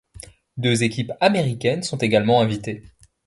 Deux équipes américaines sont également invitées.